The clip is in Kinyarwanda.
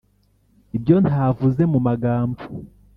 ibyo ntavuze mu magambo